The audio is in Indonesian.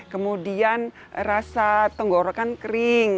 kemudian rasa tenggorokan kering